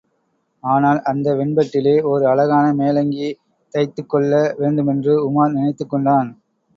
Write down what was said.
ஆனால், அந்த வெண்பட்டிலே ஓர் அழகான மேலங்கி தைத்துக் கொள்ள வேண்டுமென்று உமார் நினைத்துக் கொண்டான்.